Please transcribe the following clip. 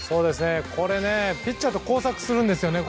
これ、ピッチャーと交錯するんですよね。